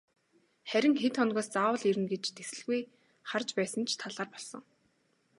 Харин хэд хоногоос заавал ирнэ гэж тэсэлгүй харж байсан ч талаар болсон.